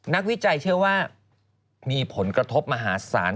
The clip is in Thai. วิจัยเชื่อว่ามีผลกระทบมหาศาล